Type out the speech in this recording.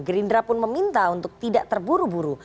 gerindra pun meminta untuk tidak terburu buru